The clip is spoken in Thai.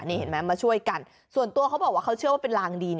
นี่เห็นไหมมาช่วยกันส่วนตัวเขาบอกว่าเขาเชื่อว่าเป็นลางดี